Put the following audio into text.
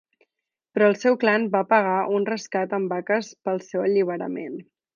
Però el seu clan va pagar un rescat amb vaques pel seu alliberament.